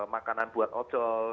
makanan buat ocol